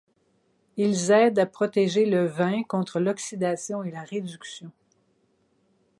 Ils aident à protéger le vin contre l'oxydation et la réduction.